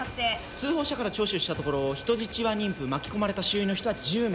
通報者から聴取したところ人質は妊婦巻き込まれた周囲の人は１０名。